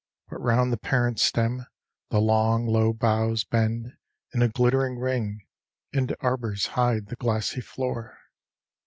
But round the parent stem the long low boughs Bend, in a glittering ring, and arbors hide The glassy floor.